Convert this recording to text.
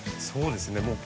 そうですね。